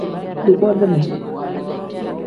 Dugotire.